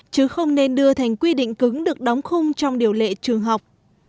chứ không nên đưa thành quy định cứng được đóng khung trong điều lệ trường học